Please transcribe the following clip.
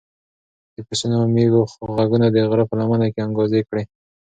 د پسونو او مېږو غږونه د غره په لمنه کې انګازې کړې.